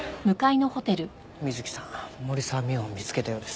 水木さん森沢未央を見つけたようです。